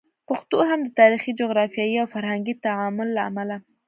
پښتو هم د تاریخي، جغرافیایي او فرهنګي تعامل له امله